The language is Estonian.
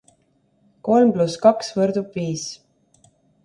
Kolm pluss kaks võrdub viis.